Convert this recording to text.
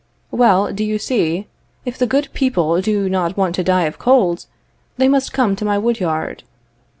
Well, do you see? If the good people do not want to die of cold, they must come to my wood yard.